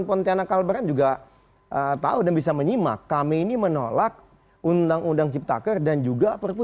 pontianak kalbar juga tahu dan bisa menyimak kami ini menolak undang undang ciptaker dan juga perpu